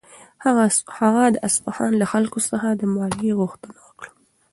هغه د اصفهان له خلکو څخه د مالیې غوښتنه وکړه.